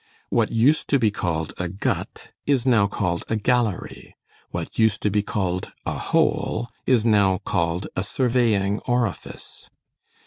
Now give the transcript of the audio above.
What used to be called a gut is now called a gallery; what used to be called a hole is now called a surveying orifice.